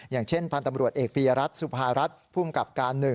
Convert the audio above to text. อย่างเช่นพันธ์ตำรวจเอกปียรัฐสุภารัฐภูมิกับการ๑